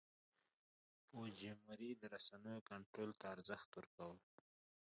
فوجیموري د رسنیو کنټرول ته ډېر ارزښت ورکاوه.